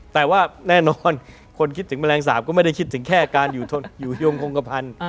แต่ว่าแน่นอนคนคิดถึงแมลงสาปก็ไม่ได้คิดถึงแค่การอยู่โยงโครงกระพันธุ์